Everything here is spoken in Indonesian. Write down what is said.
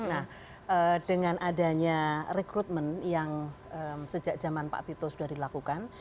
nah dengan adanya rekrutmen yang sejak zaman pak tito sudah dilakukan